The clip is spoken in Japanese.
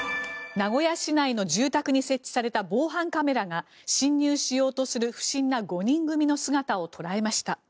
名古屋市内の住宅に設置された防犯カメラが侵入しようとする不審な５人組の姿を捉えました。